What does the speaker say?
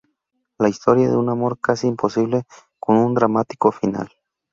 La historia de un amor casi imposible con un dramático final.